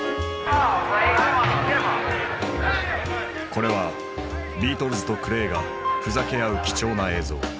これはビートルズとクレイがふざけ合う貴重な映像。